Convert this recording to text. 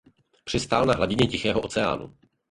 Přistál na hladině Tichého oceánu.